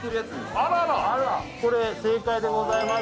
あららこれ正解でございます